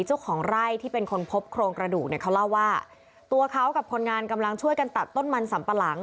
เจ้าของไร่ที่เป็นคนพบโครงกระดูกเนี่ยเขาเล่าว่าตัวเขากับคนงานกำลังช่วยกันตัดต้นมันสัมปะหลัง